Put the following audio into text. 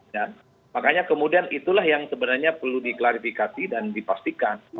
dan makanya kemudian itulah yang sebenarnya perlu diklarifikasi dan dipastikan